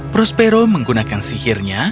prospero menggunakan sihirnya